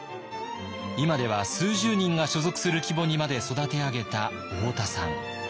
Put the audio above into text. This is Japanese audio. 今では数十人が所属する規模にまで育て上げた太田さん。